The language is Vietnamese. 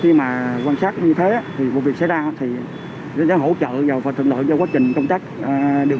khi mà quan sát như thế thì vụ việc xảy ra thì sẽ hỗ trợ và thuận lợi cho quá trình công tác điều